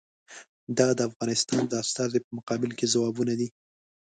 دا د افغانستان د استازي په مقابل کې ځوابونه دي.